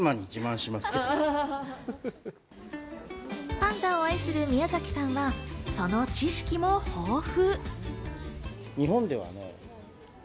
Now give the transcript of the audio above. パンダを愛する宮崎さんは、その知識も豊富。